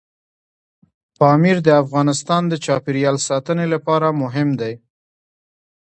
پامیر د افغانستان د چاپیریال ساتنې لپاره مهم دي.